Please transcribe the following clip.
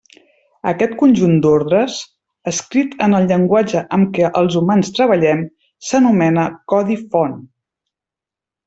Aquest conjunt d'ordres, escrit en el llenguatge amb què els humans treballem, s'anomena codi font.